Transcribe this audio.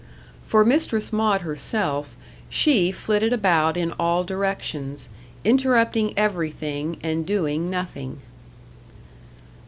For Mistress Maud herself, she flitted about in all directions, interrupting everything, and doing nothing.